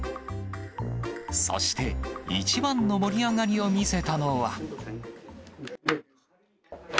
そして、一番の盛り上がりを見せたのは。